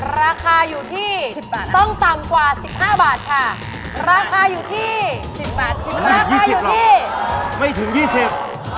ราคาอยู่ที่ต้องต่ำกว่า๑๕บาทค่ะราคาอยู่ที่๑๐บาทราคาอยู่ที่ไม่ถึง๒๐บาท